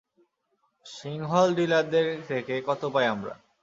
সিংহল ডিলারদের থেকে কত পাই আমরা?